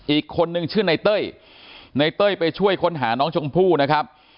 อีกคนนึงชื่อในเต้ยในเต้ยไปช่วยค้นหาน้องชมพู่นะครับ